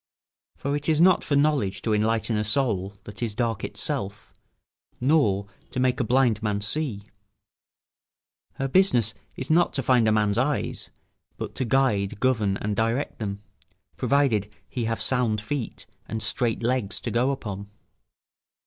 For it is not for knowledge to enlighten a soul that is dark of itself, nor to make a blind man see. Her business is not to find a man's eyes, but to guide, govern, and direct them, provided he have sound feet and straight legs to go upon.